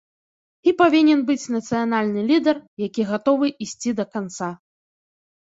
І павінен быць нацыянальны лідар, які гатовы ісці да канца.